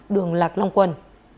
đường lạc long quần